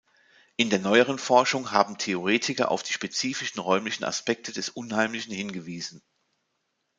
In der neueren Forschung haben Theoretiker auf die spezifischen räumlichen Aspekte des Unheimlichen hingewiesen.